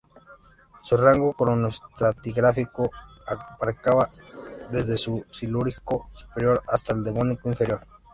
Su rango cronoestratigráfico abarcaba desde el Silúrico superior hasta el Devónico inferior.